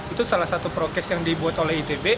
itu salah satu prokes yang dibuat oleh itb